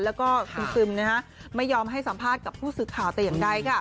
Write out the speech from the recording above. แล้วก็ซึมไม่ยอมให้สัมภาษณ์กับผู้สื่อข่าวแต่อย่างใด